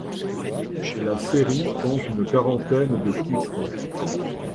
La série compte une quarantaine de titres.